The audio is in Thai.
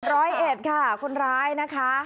ร้อยเอ็ดค่ะคนร้ายนะคะ